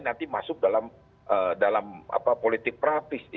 nanti masuk dalam politik praktis